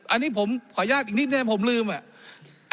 อันนี้ผมขออนุญาตอีกนิดนึงผมลืมอ่ะ